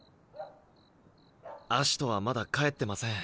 葦人はまだ帰ってません。